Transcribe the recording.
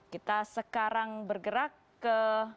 kita sekarang bergerak ke